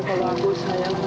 aku cinta banget sama dia ma